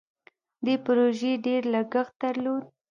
دې پروژې ډیر لګښت درلود.